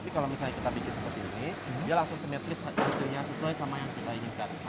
tapi kalau misalnya kita bikin seperti ini dia langsung simetris hasilnya sesuai sama yang kita inginkan